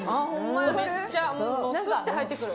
めっちゃすって入ってくる。